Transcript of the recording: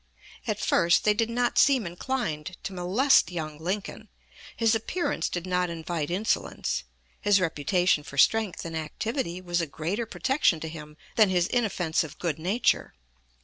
At first they did not seem inclined to molest young Lincoln. His appearance did not invite insolence; his reputation for strength and activity was a greater protection to him than his inoffensive good nature.